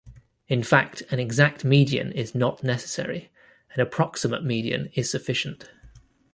In fact, an exact median is not necessary - an approximate median is sufficient.